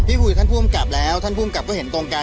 พี่คุยกับท่านภูมิกลับแล้วท่านภูมิกลับก็เห็นตรงกัน